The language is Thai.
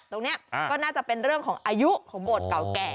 ตรงนี้ก็น่าจะเป็นเรื่องของอายุของโบสถ์เก่าแก่